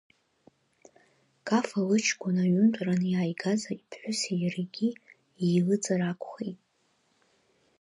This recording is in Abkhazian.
Кафа лыҷкәын аҩынтә раан иааигаз иԥҳәыси иареигьы еилыҵыр акәхеит.